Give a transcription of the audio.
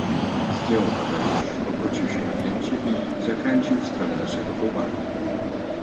"Zdjął kapelusz, obrócił się na pięcie i zakręcił w stronę naszego folwarku."